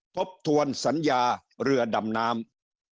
ทบทวนสัญญาเรือดำน้ำ